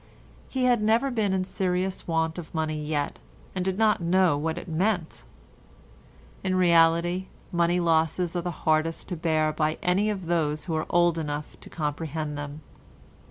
He had never been in serious want of money yet, and did not know what it meant. In reality, money losses are the hardest to bear of any by those who are old enough to comprehend them.